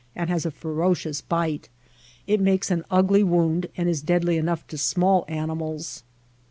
and has a ferocious bite. It makes an ugly wonnd and is deadly enough to small animals.